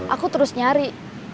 aku terus nyari